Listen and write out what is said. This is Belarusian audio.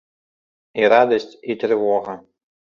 І радасць, і трывога.